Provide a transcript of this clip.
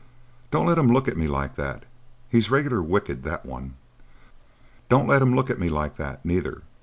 Don't let him look at me like that! He's reg'lar wicked, that one. Don't let him look at me like that, neither!